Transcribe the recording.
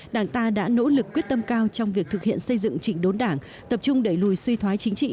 đảng ta đã nỗ lực quyết tâm cao trong việc thực hiện xây dựng trịnh đốn đảng tập trung đẩy lùi suy thoái chính trị